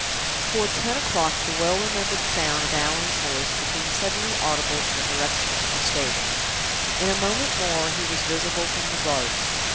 Toward ten o'clock the well remembered sound of Allan's voice became suddenly audible in the direction of the stables. In a moment more he was visible from the garden.